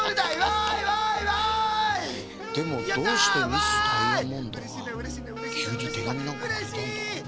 でもどうしてミス・ダイヤモンドがきゅうにてがみなんかくれたんだろうな。